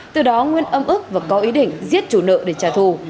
từ đó nguyên âm ức và có ý định giết chủ nợ để trả thù